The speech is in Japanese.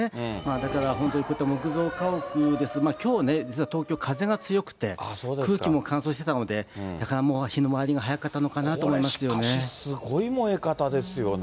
だから、本当にこういった木造家屋、きょうね、東京、風が強くて、空気も乾燥してたので、だからもう、火の回りが早かったのかなとこれ、しかし、すごい燃え方ですよね。